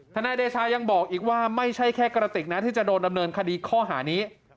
นายเดชายังบอกอีกว่าไม่ใช่แค่กระติกนะที่จะโดนดำเนินคดีข้อหานี้